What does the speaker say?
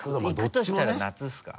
行くとしたら夏ですか？